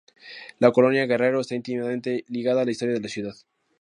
La colonia Guerrero está íntimamente ligada a la historia de la ciudad.